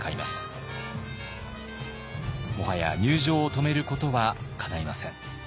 もはや入城を止めることはかないません。